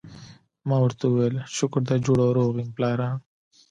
ما ورته وویل: شکر دی جوړ او روغ یم، پلاره.